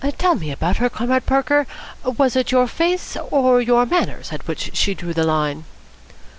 Tell me about her, Comrade Parker. Was it your face or your manners at which she drew the line?"